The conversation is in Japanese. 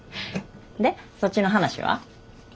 でそっちの話は？